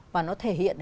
và nó thể hiện